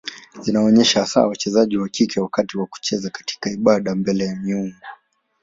Zinaonyesha hasa wachezaji wa kike wakati wa kucheza katika ibada mbele ya miungu.